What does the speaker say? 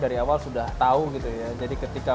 dari awal sudah tahu gitu ya jadi ketika